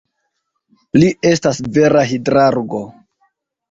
Li estas vera hidrargo.